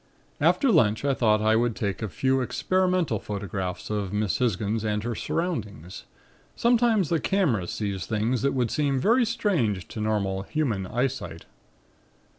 "After lunch I thought I would take a few experimental photographs of Miss Hisgins and her surroundings. Sometimes the camera sees things that would seem very strange to normal human eyesight.